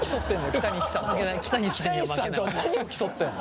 北西さんと何を競ってんの？